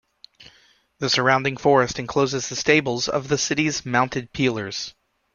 The surrounding forest encloses the stables of the city's Mounted Peelers.